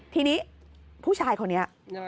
ทีนี้ผู้ชายคนนี้